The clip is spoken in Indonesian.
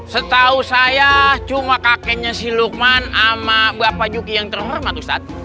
setahu saya cuma kakeknya si lukman sama bapak yuki yang terhormat ustadz